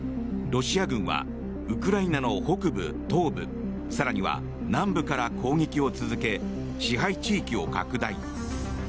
ロシア軍はウクライナの北部、東部更には南部から攻撃を続け支配地域を拡大。